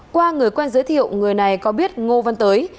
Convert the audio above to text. qua người quen giới thiệu người này có biết ngô văn tới